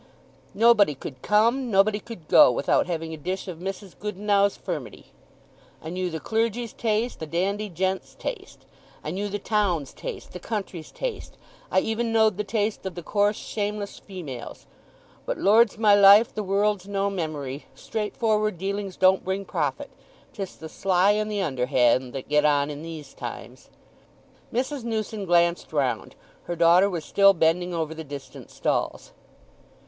Nobody could come, nobody could go, without having a dish of Mrs. Goodenough's furmity. I knew the clergy's taste, the dandy gent's taste; I knew the town's taste, the country's taste. I even knowed the taste of the coarse shameless females. But Lord's my life—the world's no memory; straightforward dealings don't bring profit—'tis the sly and the underhand that get on in these times!" Mrs. Newson glanced round—her daughter was still bending over the distant stalls.